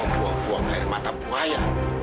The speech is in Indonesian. buang buang air mata buaya